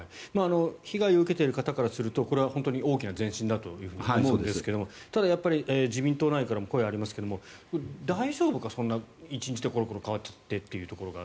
被害を受けている方からするとこれは本当に大きな前進だと思うんですがただ、自民党内からも声がありますが大丈夫か、そんな１日でコロコロ変わってということが。